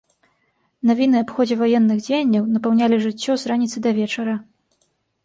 Навіны аб ходзе ваенных дзеянняў напаўнялі жыццё з раніцы да вечара.